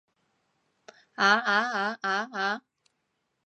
啊啊啊啊啊